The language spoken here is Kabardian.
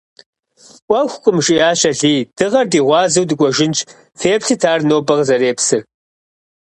«Ӏуэхукъым,— жиӀащ Алий,— дыгъэр ди гъуазэу дыкӀуэжынщ; феплъыт ар нобэ къызэрепсыр».